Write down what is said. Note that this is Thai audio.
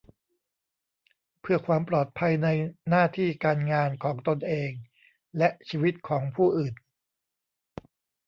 เพื่อความปลอดภัยในหน้าที่การงานของตนเองและชีวิตของผู้อื่น